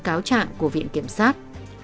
cáo trạng của viện kiểm sát